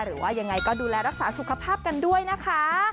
หรือว่ายังไงก็ดูแลรักษาสุขภาพกันด้วยนะคะ